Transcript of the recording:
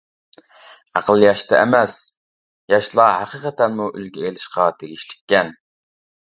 ئەقىل ياشتا ئەمەس. ياشلار ھەقىقەتەنمۇ ئۈلگە ئېلىشقا تېگىشلىككەن!